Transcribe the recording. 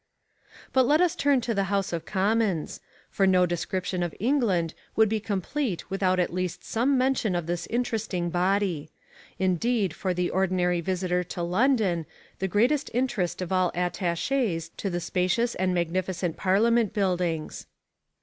But let us turn to the House of Commons: for no description of England would be complete without at least some mention of this interesting body. Indeed for the ordinary visitor to London the greatest interest of all attaches to the spacious and magnificent Parliament Buildings.